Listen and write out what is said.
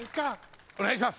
お願いします！